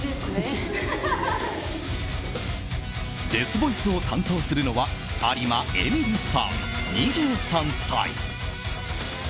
デスボイスを担当するのは有馬えみりさん、２３歳。